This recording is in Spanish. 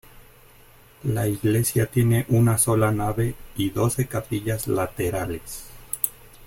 La iglesia tiene una sola nave y doce capillas laterales.